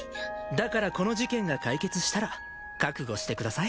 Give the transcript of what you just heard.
だからこの事件が解決したら覚悟してください。